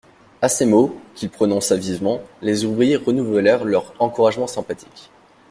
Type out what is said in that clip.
A ces mots, qu'il prononça vivement, les ouvriers renouvelèrent leurs encouragements sympathiques.